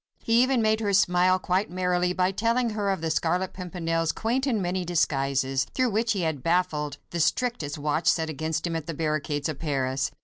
He even made her smile quite merrily by telling her of the Scarlet Pimpernel's quaint and many disguises, through which he had baffled the strictest watch set against him at the barricades of Paris.